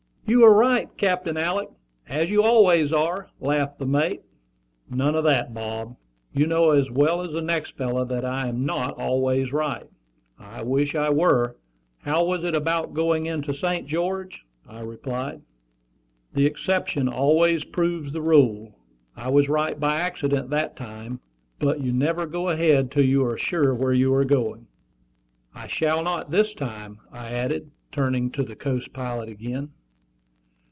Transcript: "You are right, Captain Alick, as you always are," laughed the mate. "None of that, Bob! You know as well as the next fellow that I am not always right; I wish I were. How was it about going into St. George?" I replied. "The exception always proves the rule. I was right by accident that time. But you never go ahead till you are sure where you are going." "I shall not this time," I added, turning to the Coast Pilot again.